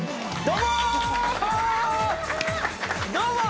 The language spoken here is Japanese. どうも！